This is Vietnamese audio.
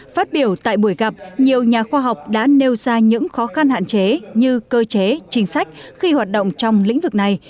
phát biểu tại buổi gặp nhiều nhà khoa học đã nêu ra những khó khăn hạn chế như cơ chế chính sách khi hoạt động trong lĩnh vực này